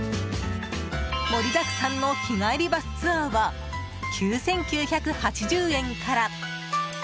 盛りだくさんの日帰りバスツアーは９９８０円から。